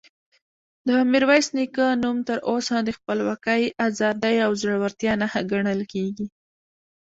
د میرویس نیکه نوم تر اوسه د خپلواکۍ، ازادۍ او زړورتیا نښه ګڼل کېږي.